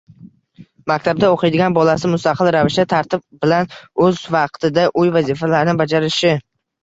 Maktabda o‘qiydigan bolasi mustaqil ravishda, tartib bilan, o‘z vaqtida uy vazifalarini bajarishi